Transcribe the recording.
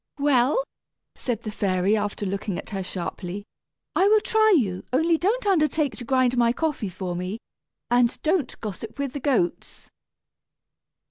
"Well," said the fairy, after looking at her sharply, "I will try you; only don't undertake to grind my coffee for me, and don't gossip with the goats."